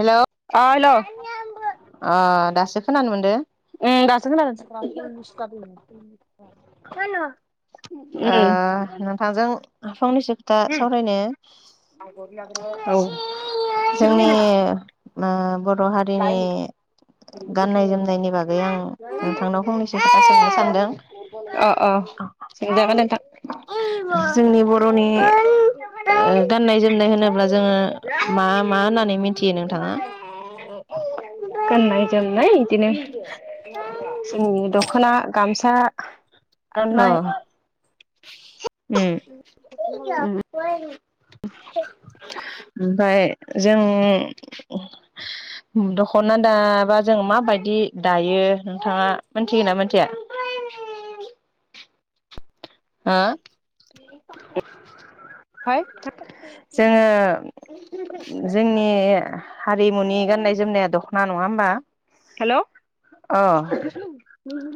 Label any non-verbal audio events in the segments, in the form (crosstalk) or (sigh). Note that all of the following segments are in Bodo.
हेल' आल' अ दासो खोनानो मोनदो ओं दासों खोनादों उम नोंथांजों फंनैसो दा सावरायनो औ जोंनि बर' हारिनि गाननाय जोमनायनि बागै आं नोंथांनाव फंनैसो खोथा सोंनो सानदों अ अ सोंजागोन नोंथां जोंनि बर'नि गाननाय जोमनाय होनोब्ला जोङो मा मा होननानै मिथियो नोंथाङा गाननाय जोमनाय बिदिनो जोंनि दख'ना गामसा आर'नाइ अ हेल' ओमफ्राय जों दख'ना दाबा जों माबायदि दायो नोंथाङा मोनथिगोना मिथिया मामि हा बे बाय जोङो जोंनि हारिमुनि गाननाय जोमनाया दख' ना नङा होमबा हेल' अ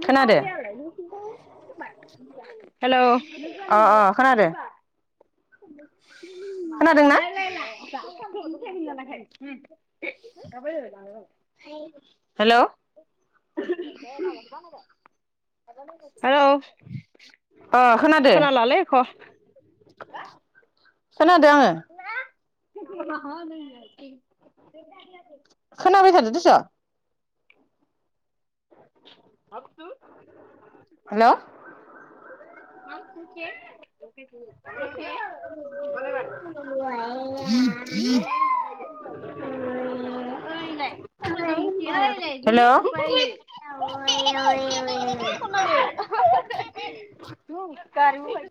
खोनादो अ अ खोनादो हेल' खोनादोंना? रायलायला ओम हेल' हेलौ खोनादो खोनालालै एख खोनादों आङो नइस खोनाबाय थादो दस' हेल' nice side nice side nice side nice side नयस (unintelligible)